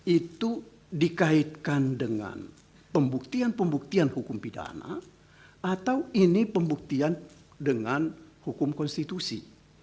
itu dikaitkan dengan pembuktian pembuktian hukum pidana atau ini pembuktian dengan hukum konstitusi